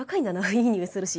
いいにおいするし」。